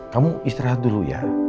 kamu istirahat dulu ya